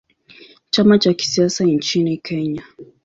Chama cha kisiasa nchini Kenya.